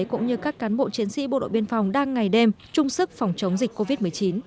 cũng như các cán bộ chiến sĩ bộ đội biên phòng đang ngày đêm chung sức phòng chống dịch covid một mươi chín